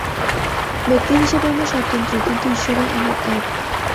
ব্যক্তিহিসাবে আমরা স্বতন্ত্র, কিন্তু ঈশ্বরে আমরা এক।